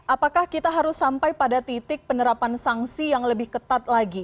apakah kita harus sampai pada titik penerapan sanksi yang lebih ketat lagi